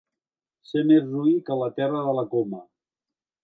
Ser més roí que la terra de la Coma.